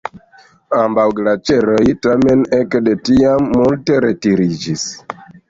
Ambaŭ glaĉeroj tamen ek de tiam multe retiriĝis.